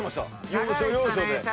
要所要所で。